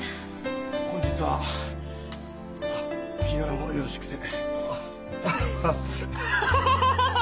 本日はお日柄もよろしくて。